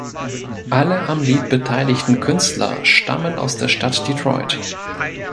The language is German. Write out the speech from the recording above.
Alle am Lied beteiligten Künstler stammen aus der Stadt Detroit.